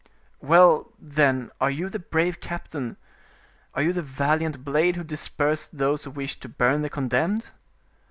"Well, then, are you the brave captain, are you the valiant blade who dispersed those who wished to burn the condemned?"